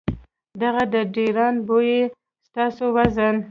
دغه د ډېران بوئي ستاسو وزن ،